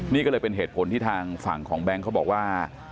นี่ก็เลยเป็นเหตุผลที่ทางฝั่งของแบงค์เขาบอกว่า